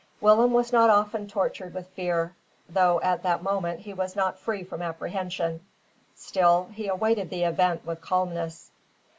Willem was not often tortured with fear, though at that moment he was not free from apprehension. Still, he awaited the event with calmness.